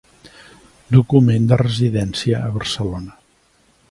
Document de residència a Barcelona.